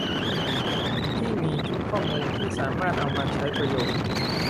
ที่มีชุดข้อมูลที่สามารถเอามาใช้ประโยชน์